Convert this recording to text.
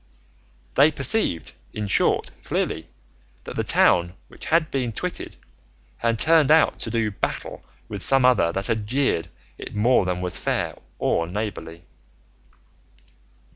They perceived, in short, clearly that the town which had been twitted had turned out to do battle with some other that had jeered it more than was fair or neighbourly.